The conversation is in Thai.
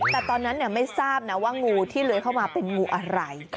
แต่ตอนนั้นไม่ทราบนะว่างูที่เลื้อยเข้ามาเป็นงูอะไร